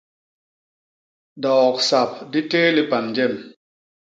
Dioksap di téé lipan jem.